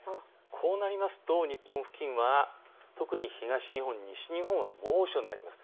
こうなると日本付近は特に東日本、西日本は猛暑になります。